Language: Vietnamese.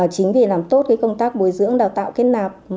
chính vì làm tốt công tác bồi dưỡng đào tạo kết nạp